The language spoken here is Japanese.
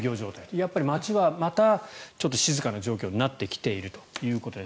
やっぱり街は、また静かな状況になってきているということです。